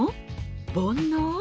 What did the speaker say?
煩悩？